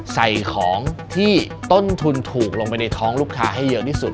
ใส่ของที่ต้นทุนถูกลงไปในท้องลูกค้าให้เยอะที่สุด